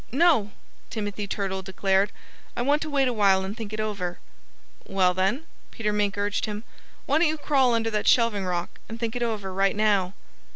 "No!" Timothy Turtle declared. "I want to wait a while and think it over." "Well, then," Peter Mink urged him, "why don't you crawl under that shelving rock and think it over right now?"